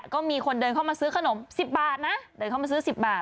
ก็มีคนเดินเข้ามาซื้อขนม๑๐บาทนะเดินเข้ามาซื้อ๑๐บาท